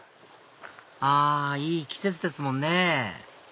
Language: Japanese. あいい季節ですもんね